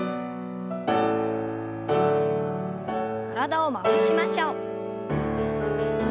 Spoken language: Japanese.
体を回しましょう。